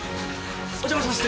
お邪魔しました。